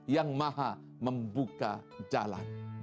yang maha membuka jalan